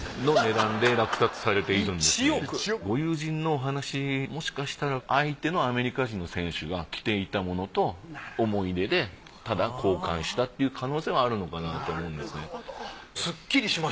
ご友人のお話もしかしたら相手のアメリカ人の選手が着ていたものと思い出でただ交換したっていう可能性はあるのかなと思うんですね。